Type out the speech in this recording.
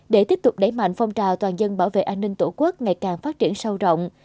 để tiếp tục đẩy mạnh phong trào toàn dân bảo vệ an ninh tổ quốc ngày càng phát triển sâu rộng